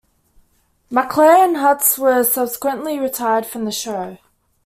McClure and Hutz were subsequently retired from the show.